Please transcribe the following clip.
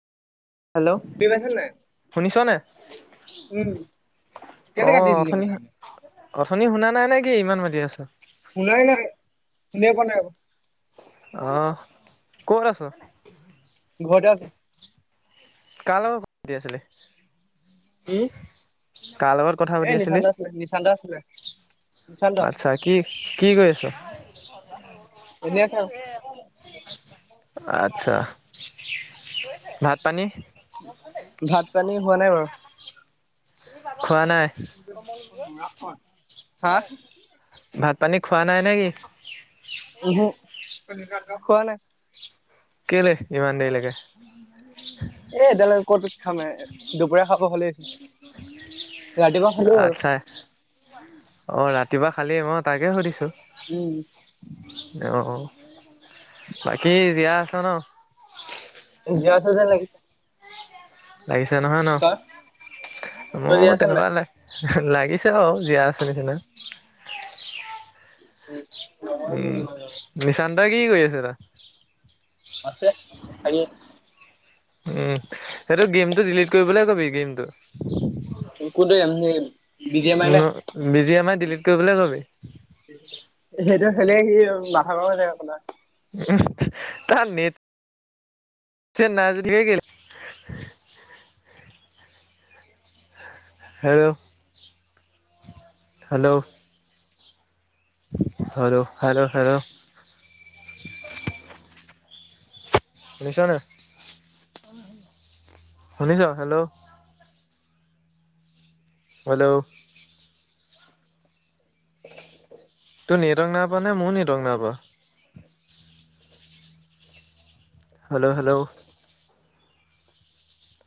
Hello চিনি পাইছা নেনাই? শুনিছ নে? উম। কেলে কাটি অঁ দিলি অথনি মানে অথনি শুনা নাই নে কি ইমান মাতি আছো। শুনাই নাই। শুনিয়ে পোৱা আক অহ, ক'ত আছ? ঘৰতে আছো। কাৰ লগত [inaudible] পাতি আছিলি? কি? কাৰ লগত কথা পাতি আছিলি? দা আছিলে। নিশান্ত আচ্ছা কি- কি কৰি আছ? এনে আচে আও। আচ্ছা ভাত - পানী ভাত- পানী হোৱা নাই বাৰু। খোৱা নাই? [unintelligible] হা ভাত পানী খোৱা নাই নে কি? উহু। খোৱা নাই। কেলে ইমান দেৰিলেকে? এ' এতিয়ালৈকে ক'তোত খামে দুপৰীয়া খাব হ'লেই। ৰাতিপুৱা খালো আৰু। আচ্ছায়ে অহ ৰাত কিবা খালী মই তাকে সুধিছোঁ? উম অঁ বাকী জীয়াই আছ ন? জীয়াই আছ যেন লাগিছে লাগিছে নহয় তই? ন তই মোৰ জীয়াই আছ নাই? তেনেকুৱা লে লাগিছে অ জীয়াই আছে নিচিনা উম উম নিচান্তই কি কৰি আছে তাত আছে [unintelligible] উম সেইটো গেমটো ডিলিট কৰিবলৈ কবি গেমটো কোনটো game [unintelligible] [unintelligible] busy M I delete কৰিবলৈ কবি। সেইটো খেলে সি মাথা গৰম হৈ থাকে [unintelligible] [unintelligible] hello, hello hello hello hello শুনিছ নাই শুনিছ হেল্ল' হেল্ল' তোৰ নেটৱৰ্ক নাই পোৱানে মোৰ নেটৱৰ্ক নাইপোৱা হেল্ল' হেল্ল'